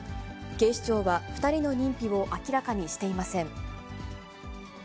警視庁は、２人の認否を明らかにしていません。